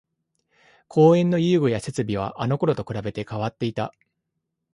公園の遊具や設備はあのころと比べて変わっていた